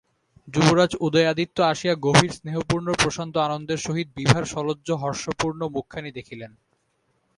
যুবরাজ উদয়াদিত্য আসিয়া গভীর স্নেহপূর্ণ প্রশান্ত আনন্দের সহিত বিভার সলজ্জ হর্ষপূর্ণ মুখখানি দেখিলেন।